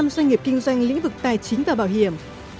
một mươi doanh nghiệp kinh doanh lĩnh vực tài chính và bảo hiểm